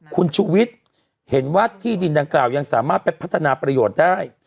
คุณชุวิตเห็นว่าที่ดินดังกล่าวยังสามารถไปพัฒนาประโยชน์ได้